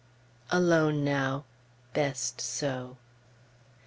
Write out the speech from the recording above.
Alone now; best so.